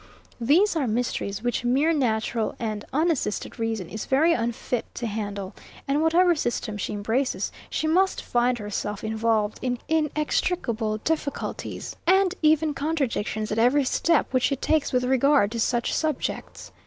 These are mysteries, which mere natural and unassisted reason is very unfit to handle; and whatever system she embraces, she must find herself involved in inextricable difficulties, and even contradictions, at every step which she takes with regard to such subjects.